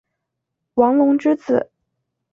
王隆之子。